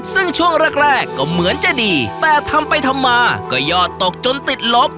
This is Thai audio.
ซึ่งช่วงแรกก็เหมือนจะดีแต่ทำไปทำมาก็ยอดตกจนติดลบ